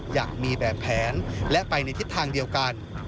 อย่างมีแบบแผนและไปในทิศทางเดียวกัน